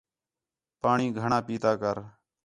پاݨی گھݨاں پیتا کر